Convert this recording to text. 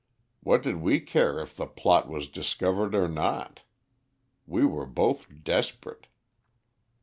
What did we care if the plot was discovered or not! We were both desperate.